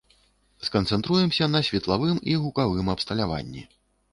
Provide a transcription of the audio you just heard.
Сканцэнтруемся на светлавым і гукавым абсталяванні.